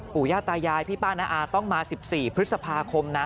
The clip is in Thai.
ย่าตายายพี่ป้าน้าอาต้องมา๑๔พฤษภาคมนะ